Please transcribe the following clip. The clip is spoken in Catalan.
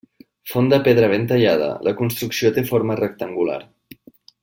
Font de pedra ben tallada, la construcció té forma rectangular.